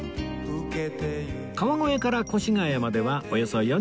川越から越谷まではおよそ４０キロ